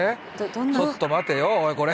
ちょっと待てよおいこれ。